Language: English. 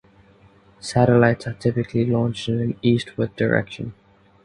Satellites are typically launched in an eastward direction.